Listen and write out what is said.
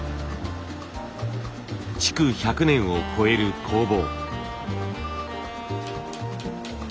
築１００年を超える工房。